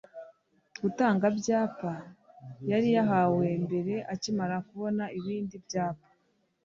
gutanga byapa yari yahawe mbere akimara kubona ibindi byapa.